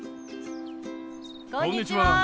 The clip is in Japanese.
こんにちは。